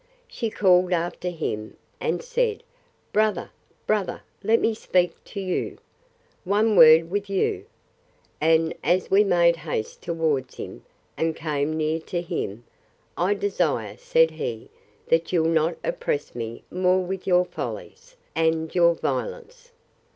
She called after him, and said, Brother, brother, let me speak to you!—One word with you! And as we made haste towards him, and came near to him; I desire, said he, that you'll not oppress me more with your follies, and your violence.